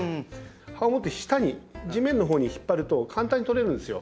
葉を持って下に地面のほうに引っ張ると簡単に取れるんですよ。